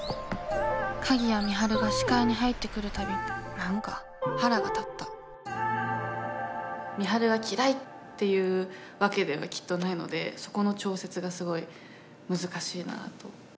鍵谷美晴が視界に入ってくるたび何か腹が立った美晴が嫌いっていうわけではきっとないのでそこの調節がすごい難しいなと。